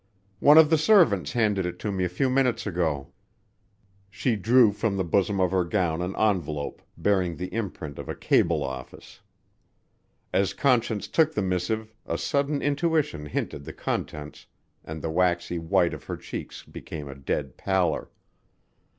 One of the servants handed it to me a few minutes ago." She drew from the bosom of her gown an envelope bearing the imprint of a cable office. As Conscience took the missive a sudden intuition hinted the contents and the waxy white of her cheeks became a dead pallor.